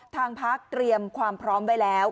ทางพักเตรียมความพร้อมไว้แล้ว